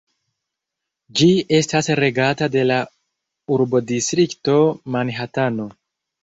Ĝi estas regata de la urbodistrikto Manhatano.